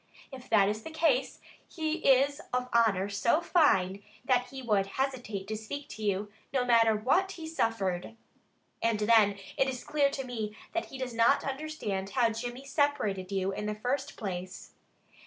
If that is the case, he is of honor so fine, that he would hesitate to speak to you, no matter what he suffered. And then it is clear to me that he does not understand how Jimmy separated you in the first place."